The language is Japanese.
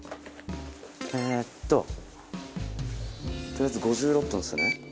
えっととりあえず５６分ですよね。